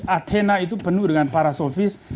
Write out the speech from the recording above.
athena itu penuh dengan parasofis